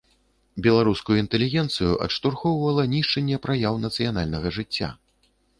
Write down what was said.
Беларускую інтэлігенцыю адштурхоўвала нішчэнне праяў нацыянальнага жыцця.